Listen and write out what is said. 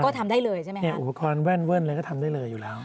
ก็ทำได้เลยใช่ไหมครับเนี่ยอุปกรณ์แว่นเว่นอะไรก็ทำได้เลยอยู่แล้ว